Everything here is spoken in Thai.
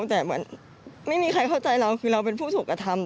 แต่เหมือนไม่มีใครเข้าใจเราคือเราเป็นผู้ถูกกระทำ